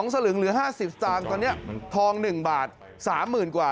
สลึงเหลือ๕๐สตางค์ตอนนี้ทอง๑บาท๓๐๐๐กว่า